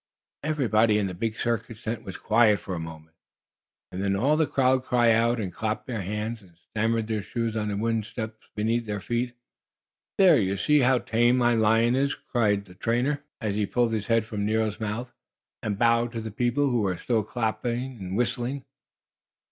Everybody in the big circus tent was quiet for a moment, and then all the crowd cried out, and clapped their hands and stamped their shoes on the wooden steps beneath their feet. "There, you see how tame my lion is!" cried the man, as he pulled his head from Nero's mouth, and bowed to the people, who were still clapping and whistling.